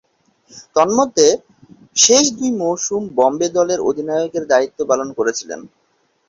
তন্মধ্যে, শেষ দুই মৌসুম বোম্বে দলের অধিনায়কের দায়িত্ব পালন করেছিলেন।